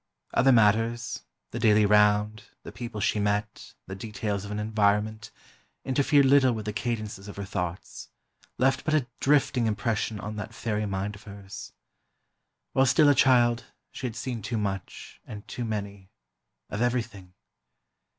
Other matters—the daily round, the people she met, the details of an environment—interfered little with the cadences of her thoughts, left but a drifting impression on that fairy mind of hers. While still a child, she had seen too much, and too many—of everything.